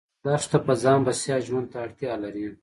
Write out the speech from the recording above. دښته په ځان بسیا ژوند ته اړتیا لري.